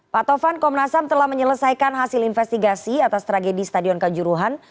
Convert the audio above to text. pak tovan komnasam telah menyelesaikan hasil investigasi atas tragedi stadion kanjuruhan